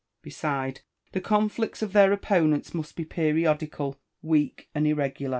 Beside, the conflicts of their opponents must be periodical, w^eak, and irregular.